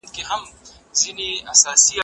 زه اجازه لرم چي ونې ته اوبه ورکړم؟!